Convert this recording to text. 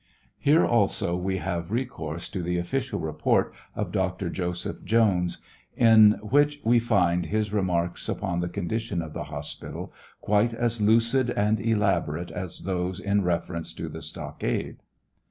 Here also we have recourse to the official i eport of Dr. Joseph Jones, in which. TRIAL OF HENRY WIRZ. 747 we find his reniaiks upon the condition of the liospital quite as lucid and elaborate aa those in reference to the stockade.